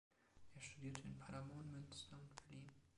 Er studierte in Paderborn, Münster und Berlin.